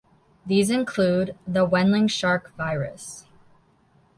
These include the Wenling shark virus.